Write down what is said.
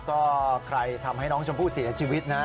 ก็ใครทำให้น้องชมพู่เสียชีวิตนะ